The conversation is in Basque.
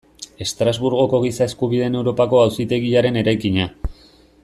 Estrasburgoko Giza Eskubideen Europako Auzitegiaren eraikina.